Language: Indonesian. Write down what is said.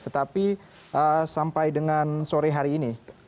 tetapi sampai dengan sore hari ini